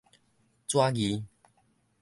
紙字